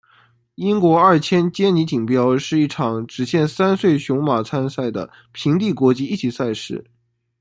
英国二千坚尼锦标是一场只限三岁雄马参赛的平地国际一级赛事。